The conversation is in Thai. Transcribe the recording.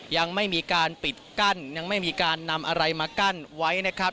ยังไม่มีการปิดกั้นยังไม่มีการนำอะไรมากั้นไว้นะครับ